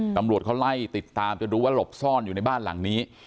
ตำรวจเขาไล่ติดตามจนรู้ว่าหลบซ่อนอยู่ในบ้านหลังนี้